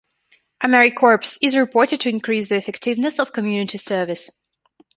AmeriCorps is reported to increase the effectiveness of community service.